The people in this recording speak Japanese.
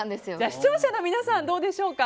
視聴者の皆さんどうでしょうか。